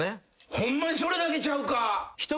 ホンマにそれだけちゃうか？